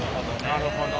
なるほど。